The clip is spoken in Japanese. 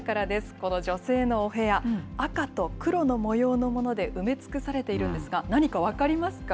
この女性のお部屋、赤と黒の模様のもので埋め尽くされているんですが、何か分かりますか？